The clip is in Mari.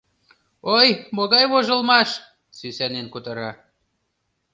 — Ой, могай вожылмаш, — сӱсанен кутыра.